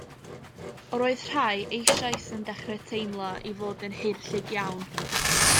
Yr oedd rhai eisoes yn dechrau teimlo ei fod yn haerllug iawn.